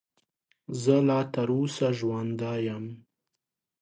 زه لا تر اوسه ژوندی یم .